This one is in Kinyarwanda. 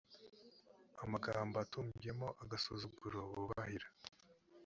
amagambo atumbyemo agasuzuguro bubahira